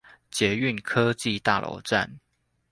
捷運科技大樓站